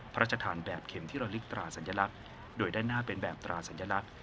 พระราชทานแบบเข็มที่ระลึกตราสัญลักษณ์โดยด้านหน้าเป็นแบบตราสัญลักษณ์